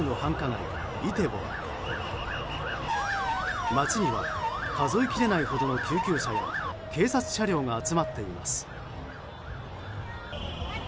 街には数えきれないほどの救急車や警察車両が集まっています。